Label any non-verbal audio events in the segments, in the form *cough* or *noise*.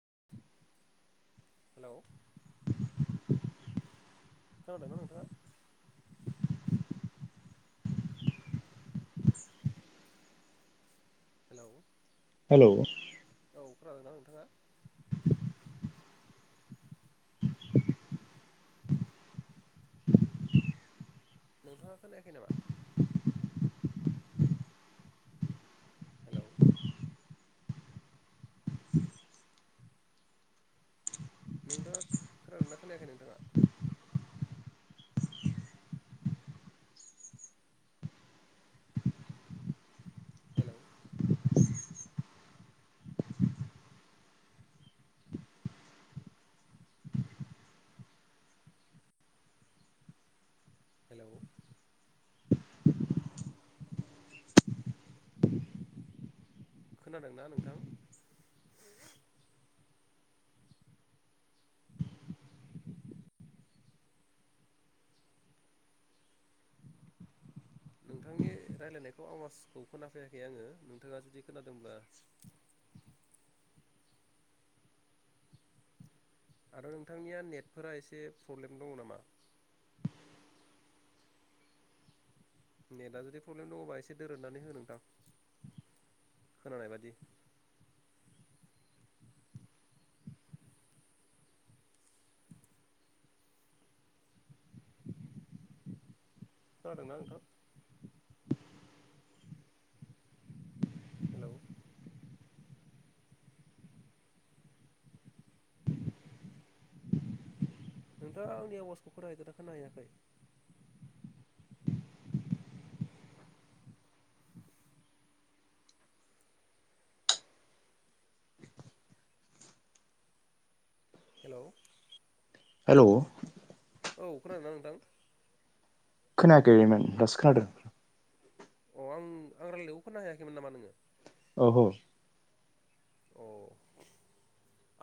*inaudible* Hello खोनादोंना नोंथाङा? Hello hello खोनादोंना नोंथाङा? नोंथाङा खोनायाखै नामा? हेलौ नोंथाङा खोनादोंना खोनायाखै नोंथाङा? हेलौ हेलौ खोनादोंना नोंथां? नोंथांनि रायलायनायखौ आवाजखौ खोनाफैयाखै आङो नोंथाङा जुदि खोनादोंब्ला आरो नोंथांनिया नेटफोरा एसे प्रब्लेम दङ नामा? नेटा जुदि प्रब्लेम दङबा एसे दोरोदनानै हो नोंथां खोनानाय बादि खोनादोंना नोंथां? हेलौ नोंथाङा आंनि आवाजखौ खोनाहैदोंना खोंनाहैयाखै? *inaudible* हेलौ हेलौ औ खोनादोंना नोंथां? खोनायाखैमोन दासो खोनादों। अ आं आं रायलायनायखौ खोना हैयाखैमोन नामा नोङो? औहो अ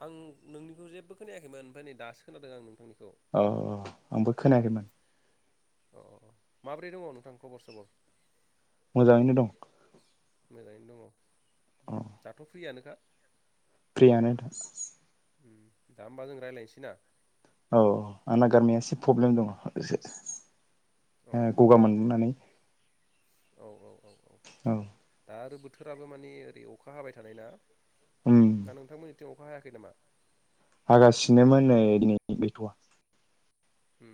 आं नोंनिखौ जेबो खोनायाखैमोन ओमफाय नै दासो खोनादों आं नोंथांनि अ आंबो खोनाखैमोन। अ माब्रै दङ नोंथां खबर सबर? मोजाङैनो दं। मोजाङैनो दङ। अ दाथ फ्रियानोखा? फ्रियानो दा। उम दा होमबा जों रायलायनोसै ना। औ आंना गारामाया एसे प्रब्लेम दङ एसे। अ ओ गगा मोननानै औ औ औ औ दा आरो बोथोराबो माने ओरै अखा हाबाय थानाय ना उम दा नोंथांमोननि थिं अखा हायाखै नामा? हागासिनोमोन नै नि गैथवा उम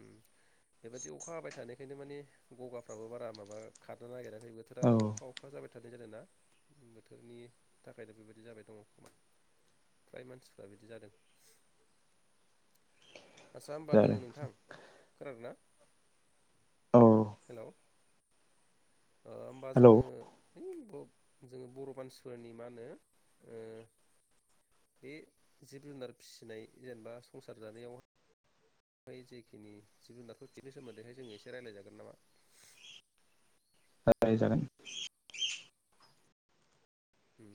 बेबादि अखा हाबाय थानायखायनो मानि गगाफ्राबो बारा माबा खारनो नागिरा दिनै बोथोरा औ आरो अखा अखा जाबाय थानाय जादोंना बोथोरनि थाखायनो बेबायदि जाबाय दंङ खोमा फ्राय मानसिफ्रा बिदि जादों। आदसा होमबा दोंङो जादों नोंथां खोनादों ना औ हेलौ ओ होमबा हेलौ जोंङो होय बब जोंङो बर मानसिफोरनि मा होनो ओ बे जिब जुनार फिसिनाय जेनेबा संसार जानायाव जेखिनि जिब जुनारफोर फिनि सोमोन्दैहाय जोङो एसे रायलायजागोन नामा रायलाय जागोन उम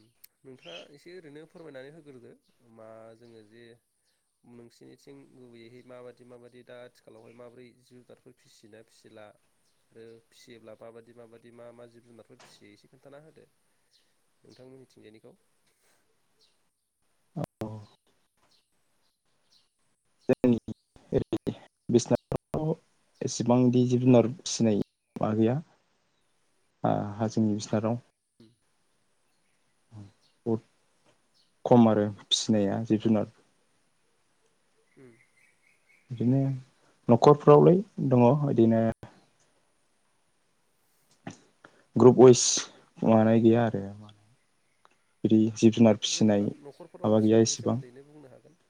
नोंथांङा एसे ओरैनो फोरमायनानै होग्रोदो मा जोंङो जे नोंसिनिथिं गुबैयैहाय माबायदि माबायदि दा आथिखालावहाय माबोरै जिब जुनारफोर फिसियोना फिसिला आरो फिसियोब्ला माबायदि माबायदि मा मा जिब जुनारफोर फिसियो एसे खोन्थाना होदो नोंथांमोन निथिंजायनिखौ औ जोंनि ओर बिसनाटाव एसेबांदि जिब जुनार फिनाय मा गैया हा हा जोंनि बिसनाटाव बहुद खम आरो फिसिनाया जिब जुनार *unintelligible* बिदिनो नखरफ्रावलाय दङ बिदिनो ग्रुप वाइस मानाय गैया आरो बिदि जिब जुनार फिसिनाय जेनेबा नखरफोराव माबा गैया फिसिनायनि इसेबां सोमोन्दैनो बुंनो हागोन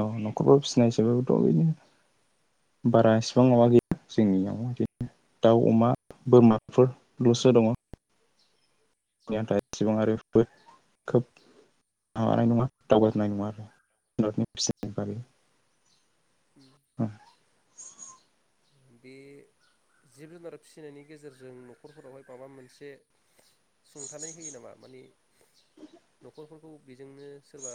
औ नखरफोराव फिसिनाय हिसाबैथ बिदिनो बारा इसिबां माबा गैया जोंनियाव बिदिनो दाउ अमा बोरमाफोरलसो दङ उम बेनि *unintelligible* सेबां आरो बो खोब माबानाय नङा दावगानाय नङा आरोनि *unintelligible* फिसि बै उम *unintelligible* बे जिब जुनार फिसिनायनि गेजेरजों नखरफोरावहाय माबा मोनसे सुंथानाय होयो नामा माने नखरफोरखौ बेजोंनो सोरबा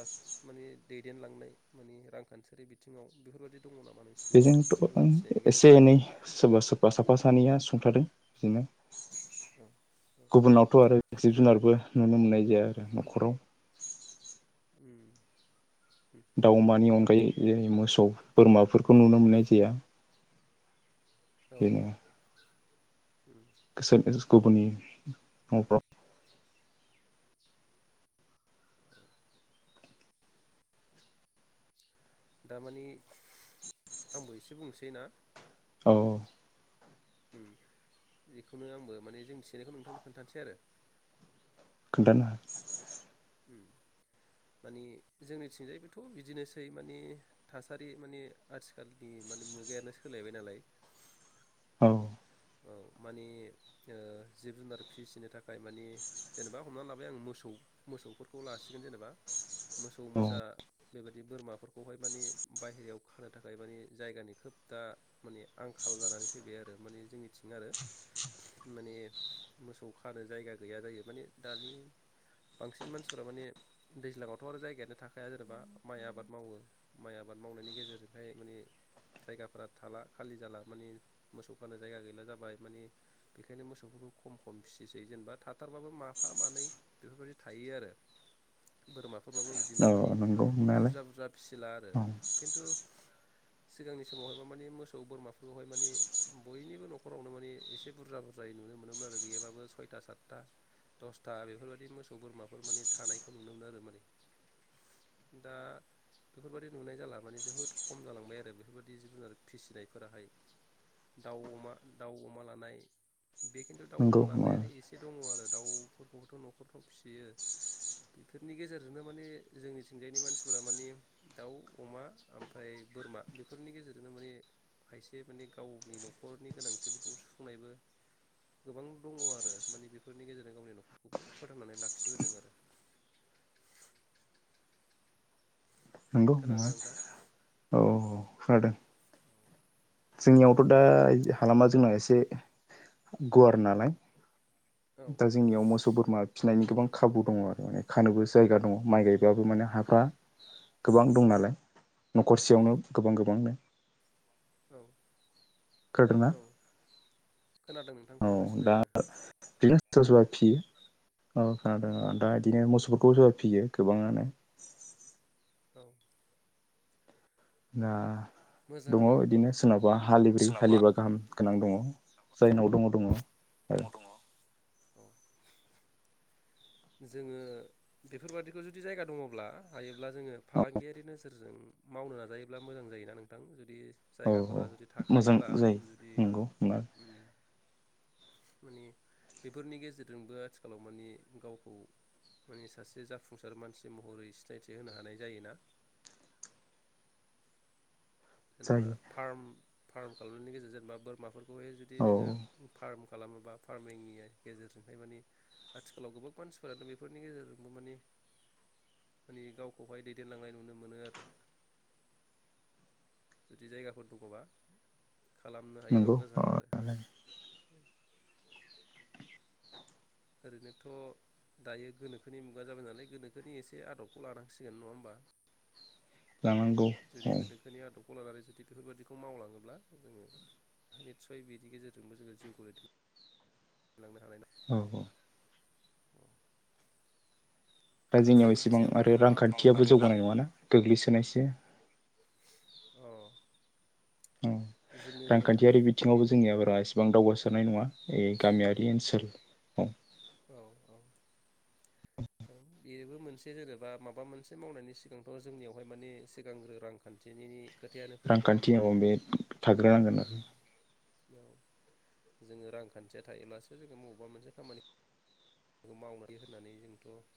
माने दैदेनलांनाय माने रांखान्थियारि बिथिङाव बेफोरबायदि दङ नामा नोंसिनिथिं जिब जुनार फिसिनायनि बेजोंथ एसे गेजेरजों एनै सोरबा सोरबा साफा सानैया सुंथादों बिदिनो औ औ गुबुनावथ आरो जिब जुनारबो नुनो मोननाय जाया आरो नखराव उ दाउ अमानि अनगायै जेरै मोसौ बोरमाफोरखौ नुनो मोननाय जाया औ औ उम *unintelligible* गुबनि दामानि आंबो एसे बुंसै ना औ। बेखौनो आंबो माने जों मिथिनायखौ नोंथांनो खोन्थानोसै आरो। खोन्थानो हा- मानि जोंनिथिंजायबोथ बिदिनोसै माने थासारि माने आथिखालनि माने मुगायानो सोलायबाय नालाय। औ। औ मानि जिब जुनार फिसिनो थाखाय मानि जेनेबा हमनानै लाबाय आं मोसौ मोसौफोरखौ लासिगोन जेनेबा। मोसौ औ मोसा। बेबायदि बोरमाफोरखौहाय माने बाहेरायाव खानो थाखाय माने जायगानि खोब दा माने आंखाल जानानै फैबाय आरो माने जोंनि। थिं आरो माने मोसौ खानो जायगा गैया जायो माने दानि बांसिन मानसिफोरा माने दैज्लाङावथ आरो जायगायानो थाखाया माने जेनेबा माइ आबाद मावो माइ आबाद मावनायनि गेजेरजोंहाय माने जायगाफोरा थाला खालि जाला माने मोसौ खानो जायगा गैला। जाबाय माने बेखायनो मोसौफोरखौ खम खम फिसै जेनेबा थाथारबाबो माबा मनै बेफोरबायदि थायो आरो बोरमा। बाबो बिदिनो माने औ नंगौ नंनायालाय बुरजा बुरजा। फिसिला आरो औ खिन्थु सिगांनि समावहायबा माने मोसौ बोरमाफोरखौहाय माने बयनिबो नखर। नखरावनो माने एसे बुरजा बुरजायै नुनो मोनोमोन आरो गैयाबाबो सयथा सातथा दसथा बेफोरबायदि मोसौ बोरमाफोर माने थानायखौ नुनो मोन आरो माने दा बेफोरबायदि नुनाय जाला माने जोबोद खम जालांबाय आरो बेफोरबायदि जिब जुनार फिसिनायफोराहाय दाउ अमा। दाउ अमा लानाय। बे खिन्थु दाउ नंगौ अमा लानायाहाय एसे दङ आरो दाउ। फोरखौबोथ नखरफ्राव फिसियो बेफोरनि गेजेरजोंनो माने जोंनिथिंजायनि मानसिफोरा माने दाउ अमा ओमफ्राय बोरमा बेफोरनि गेजेरजोंनो माने खायसे माने गावनि नखरनि गोनांथि। सुफुंनायबो गोबां दङ आरो मानिे बेफोरनि गेजेरजों गावनि न'खरखौबो फोथांनानै लाखिबोदों आरो। नंगौ खोनादोंना नङा। नोंथां औ खोनादों। जोंनियावथ दा हालामा। जोंना एसे गुवार नालाय। औ दा जोंनियाव मोसौ बोरमा। फिसिनायनि गोबां खाबु दङ आरो माने खानोबो जायगा दङ माइ गायबाबो माने हाफ्रा गोबां दं नालाय औ न'खरसेयावनो गोबां गोबांनो। औ। खोनादों ना औ खोनादों नोंथां औ खोनागासिनो दा आङो बिनो सोर सोर सोरबा फियो। औ खोनादों दा बिदिनो मोसौफोरखौ सोरबा फियो गोबाङानो। औ। ना। दङ मोजाङानो बिदिनो सोरनावबा हालिब्रै सोरनावबा हालिबा गाहाम गोनां दङ। जायनाव दङ दङ ओ। आंनाव दङ औ। जोंङो बेफोरबादिखौ जुदि जायगा दङब्ला हायोब्ला जोंङो फालांगियारि नोजोरजों मावनो नाजायोब्ला मोजां जायोना नोंथां जुदि। औ औ जायगाफोरा जुदि मोजां थाखायोब्ला जायो जुदि नंगौ मा उम। माने बेफोरनि गेजेरजोंबो आथिखालाव माने गाव। औ माने सासे जाफुंसार मानसि महरै सिनायथि होनो हानाय जायोना। होनबा जायो फार्म फार्म खालामनायनि गेजेरजों मा बोरमाफोर बहाय जुदि औ नोंङो फार्म खालामोबा फार्मिंनि गेजेरजोंहाय माने आथिखालाव गोबां मानसिफोरानो बेफोरनि गेजेरजोंबो माने माने गावखौहाय दैदेनलांनाय नुनो मोनो आरो जुदि जायगाफोर दङबा खालामनो हायोबा नंगौ मोजां आरो ओरैनोथ' दायो गोनोखोनि मुगा जाबाय नालाय गोनोखोनि एसे आदबखौ लानांसिगोन नङा होमबा? लानांगौ औ कलारारि जुदि बेफोरबायाददिखौ मावलांङोब्ला जोंङो नितसय बिनि गेजेरजोंबो जोंङो जिवखौ दैदैन लांनो हानाय औ औ दा आरो जोंनियाव बिनि एसेबां सायाव आरो नोंथाङा माबाफोर रांखान्थियाबो बुंबावनो जौगानाय नङाना गोग्लैसोनायसो अ उम जोंनो रांखान्थियारि बिथिङावबो बिदि जोंनिया बारा इसिबां दावगासार सारनाय नङा ओ गामियारि ओनसोल औ औ औ औ बेबो मोनसे जेनेबा माबा मोनसे मावनायनि सिगांथ' जोंनियावहाय माने सिगांग्रो रांखान्थिनि खोथायानो फैयो नङा होमबा रांखान्थियाव बे थाग्रोनांगोन आरो उम औ जोङो रांखान्थिया थायोब्लासो जोङो मबेबा मोनसे खामानि खौ मावनानै होनानै जोंथ'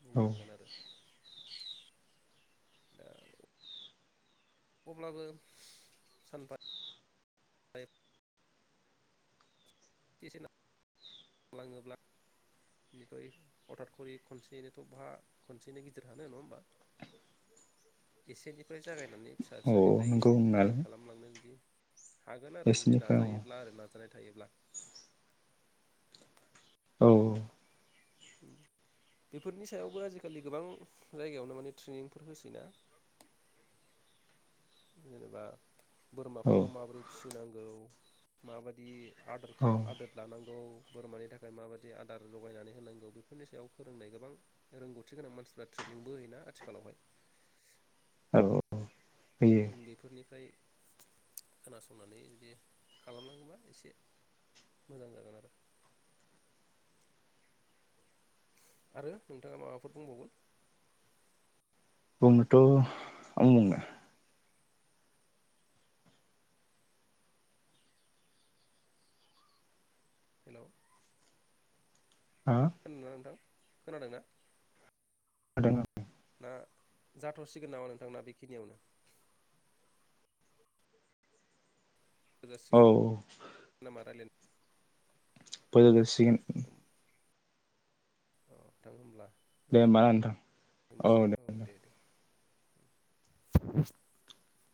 आरो बुंनांगोन आरो *inaudible* *unintelligible* अब्लाबो सानफा *unintelligible* *unintelligible* लाङोब्ला निफ्राय हथात खरि खनसेयैनोथ' बा खनसेनो गिदिर हानो नङा होमबा एसेनिफ्राय जागाय नानै फिसा औ फिसानिफ्राय नंगौ गिसिर गिदिर नंनायालाय खालामलांनो जुदि हागोन आरो जुदि नोंसिनिफ्राय औ नाजायोब्ला आरो नाजानाय थायोब्ला औ औ ओम बेफोरनि सायावबो आजिखालि गोबां जायगायावनो माने ट्रेनिंफोर होसैना जेनेबा औ बोरमाफोरखौ माबोरै फि फिनांगौ माबादि आदर औ खालाम आदोर लानांगौ बोरमानि थाखाय माबायदि आदार जगायनानै होनांगौ बेफोरनि सायाव फोरोंनाय गोबां रोंगौथि गोनां मानसिफ्रा ट्रेनिंबो होयोना आथिखालावहाय औ फैयो बेफोरनिफ्राय खोनासंनानै जुदि खालामलाङोबा एसे मोजां जागोन आरो आरो नोंथाङा माबाफोर बुंबावगोन बुंनोथ' *unintelligible* हेलौ हा खोनादोंना नोंथां? खोनादोंना? खोनादों औ ना जाथसिगोन नामा नोंथांना बेखिनियावनो? औ *unintelligible* नामा रायलानाय फोजोब जासिगोन। ओ थां होमब्ला। दे होमबा ना नोंथां औ दे नोंथां *inaudible*